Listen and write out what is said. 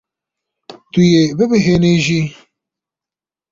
Tu yê bibêhnijî.